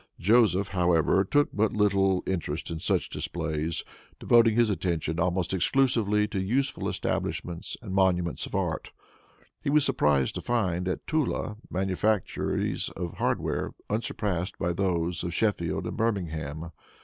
Joseph, however, took but little interest in such displays, devoting his attention almost exclusively to useful establishments and monuments of art. He was surprised to find at Tula, manufactories of hardware unsurpassed by those of Sheffield and Birmingham.